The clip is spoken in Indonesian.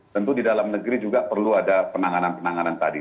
tentu di dalam negeri juga perlu ada penanganan penanganan tadi